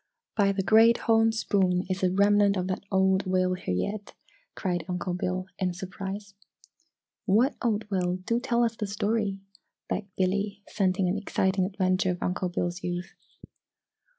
"By the Great Horn Spoon! Is a remnant of that old whale here yet!" cried Uncle Bill, in surprise. "What old whale do tell us the story!" begged Billy, scenting an exciting adventure of Uncle Bill's youth.